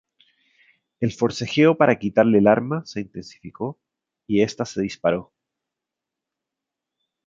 El forcejeo para quitarle el arma se intensificó y esta se disparó.